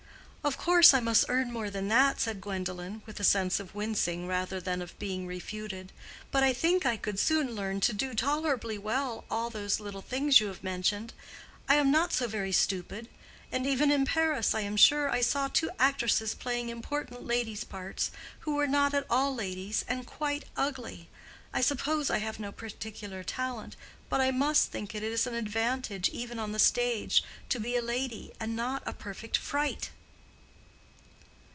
"Of course I must earn more than that," said Gwendolen, with a sense of wincing rather than of being refuted, "but I think I could soon learn to do tolerably well all those little things you have mentioned. I am not so very stupid. And even in Paris, I am sure, I saw two actresses playing important ladies' parts who were not at all ladies and quite ugly. I suppose I have no particular talent, but I must think it is an advantage, even on the stage, to be a lady and not a perfect fright."